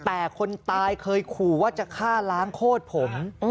แต่คนตายเคยขู่ว่าจะฆ่าล้างโคตรผม